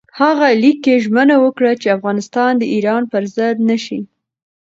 هغه لیک کې ژمنه وکړه چې افغانستان د ایران پر ضد نه شي.